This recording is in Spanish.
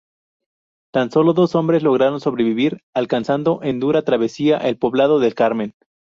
Tan solo dos hombres lograron sobrevivir, alcanzando en dura travesía el poblado del Carmen.